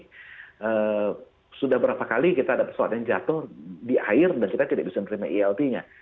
jadi sudah berapa kali kita ada pesawat yang jatuh di air dan kita tidak bisa menerima ilt nya